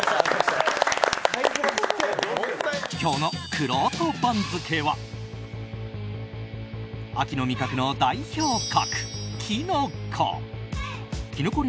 今日のくろうと番付は秋の味覚の代表格、キノコ。